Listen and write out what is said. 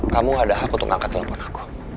kamu ada hak untuk angkat telepon aku